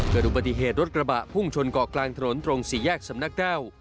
เกิดอุบัติเหตุรถกระบะพุ่งชนเกาะกลางถนนตรงสี่แยกสำนักเก้า